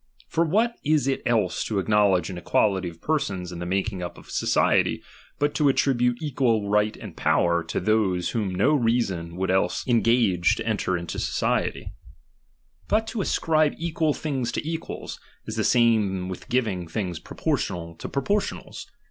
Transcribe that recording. For what is it else to acknowledge an equality of persons in the making up of society, but to attribute equal right and power to those whom no reason would else I 40 LIBERTY. CHAP. III. engage to enter into society r But to ascribe '' equal things to equals, is the same with giving things proportional to proportionals.